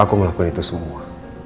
aku ngelakuin itu semua